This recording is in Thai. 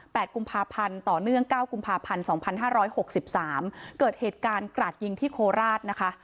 กุมภาพันธ์ต่อเนื่องเก้ากุมภาพันธ์สองพันห้าร้อยหกสิบสามเกิดเหตุการณ์กราดยิงที่โคราชนะคะ